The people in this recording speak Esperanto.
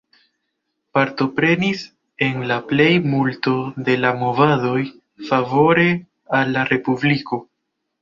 Partoprenis en la plej multo de la movadoj favore al la Respubliko.